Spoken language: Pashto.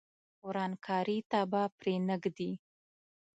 ورانکاري ته به پرې نه ږدي.